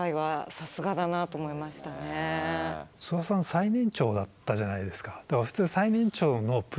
最年長だったじゃないですか。